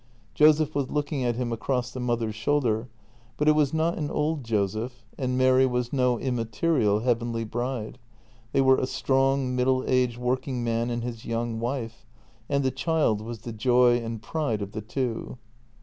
Joseph was looking at him across the mother's shoulder, but it was not an old Joseph, and Mary was no immaterial, heavenly bride; they were a strong, middle aged working man and his young wife, and the child was the joy and pride of the two.